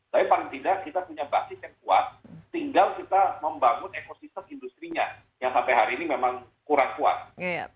tapi paling tidak kita punya basis yang kuat tinggal kita membangun ekosistem industri nya yang sampai hari ini memang kurang kuat